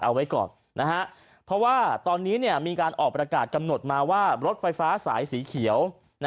เอาไว้ก่อนเพราะว่าตอนนี้มีการออกประกาศกำหนดมาว่ารถไฟฟ้าสายสีเขียว